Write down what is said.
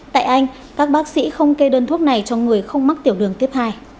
tại anh các bác sĩ không kê đơn thuốc này cho người không mắc tiểu đường tiếp hai